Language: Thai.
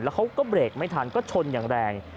เขาก็เบรกไม่ทันก็ชนอย่างแรง